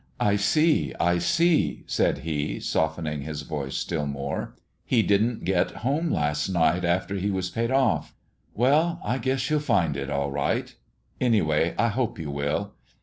"I see, I see," said he, softening his voice still more. "He didn't get home last night after he was paid off. Well, I guess you'll find it all right; anyway, I hope you will.